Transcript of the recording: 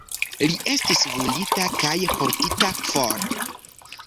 Li estis vundita kaj portita for.